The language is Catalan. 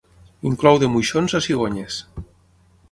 Inclou de moixons a cigonyes.